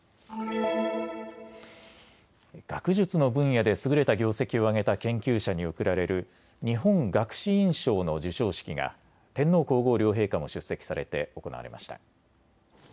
学術の分野で優れた業績を挙げた研究者に贈られる日本学士院賞の授賞式が天皇皇后両陛下も出席されて行われました。